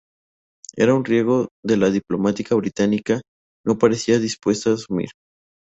Era un riesgo que la diplomacia británica no parecía dispuesta a asumir.